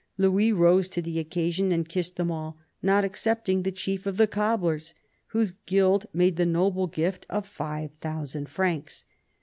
Louis rose to the occasion and kissed them all, not excepting the chief of the cobblers, whose guild made the noble gift of 5,000 francs.